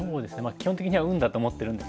基本的には運だと思ってるんですけど。